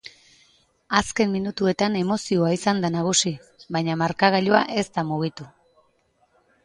Azken minutuetan emozioa izan da nagusi, baina markagailua ez da mugitu.